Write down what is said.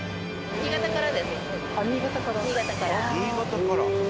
新潟から。